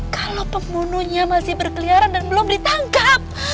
kalau pembunuhnya masih berkeliaran dan belum ditangkap